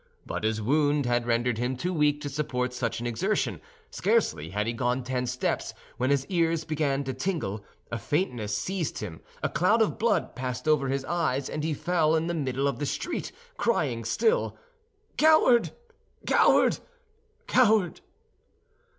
But his wound had rendered him too weak to support such an exertion. Scarcely had he gone ten steps when his ears began to tingle, a faintness seized him, a cloud of blood passed over his eyes, and he fell in the middle of the street, crying still, "Coward! coward! coward!"